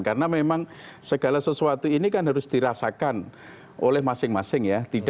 karena memang segala sesuatu ini kan harus dirasakan oleh masing masing ya